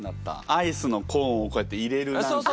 アイスのコーンをこうやって入れる。